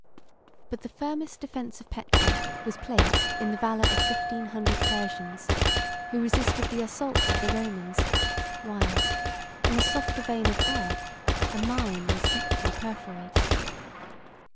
But the firmest defence of Petra was placed in the valor of fifteen hundred Persians, who resisted the assaults of the Romans, whilst, in a softer vein of earth, a mine was secretly perforated.